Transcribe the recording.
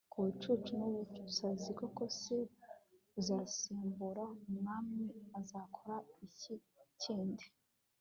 ku bucucu n'ubusazi. koko se, uzasimbura umwami azakora iki kindi